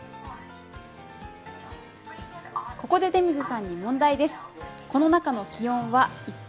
ここで出水さんに問題です。